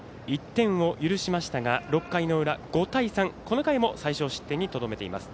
１点を許しましたが６回の裏５対３、この回も最少失点にとどめています。